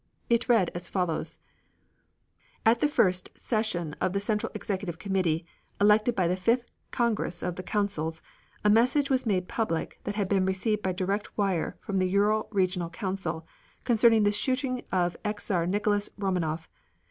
It read as follows: At the first session of the Central Executive Committee, elected by the Fifth Congress of the Councils, a message was made public that had been received by direct wire from the Ural Regional Council, concerning the shooting of the ex Czar, Nicholas Romanov.